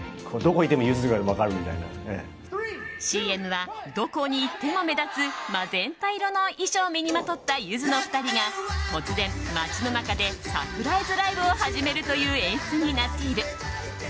ＣＭはどこに行っても目立つマゼンタ色の衣装を身にまとったゆずの２人が突然、街の中でサプライズライブを始めるという演出になっている。